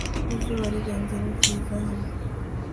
Izuba rirenze ni ryiza hano